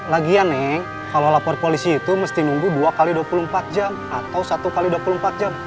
lagian nih kalau lapor polisi itu mesti nunggu dua x dua puluh empat jam atau satu x dua puluh empat jam